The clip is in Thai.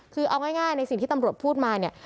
คือเอาง่ายในสิ่งที่ตำรวจพูดมาเนี่ย